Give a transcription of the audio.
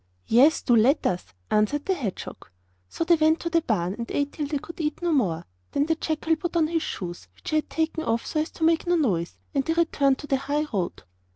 'Yes, do let us!' answered the hedgehog. So they went to the barn, and ate till they could eat no more. Then the jackal put on his shoes, which he had taken off so as to make no noise, and they returned to the high road.